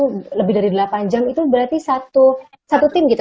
berarti itu lebih dari delapan jam itu berarti satu satu tim gitu